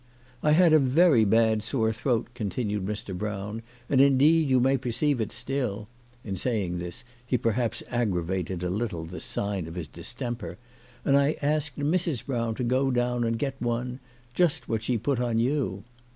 "I had a very bad sore throat," continued Mr. Brown, " and indeed you may perceive it still," in saying this, he perhaps aggravated a little the sign of his distemper, " and I asked Mrs. Brown to go down and get one, just what she put on you."